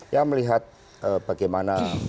ya melihat bagaimana